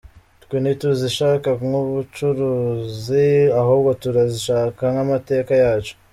Twe ntituzishaka nk’ubucuruzi, ahubwo turazishaka nk’amateka yacu.